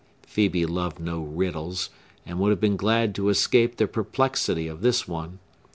Phœbe loved no riddles, and would have been glad to escape the perplexity of this one.